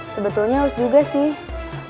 sebetulnya haus juga sih